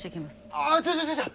ああっちょちょちょちょ！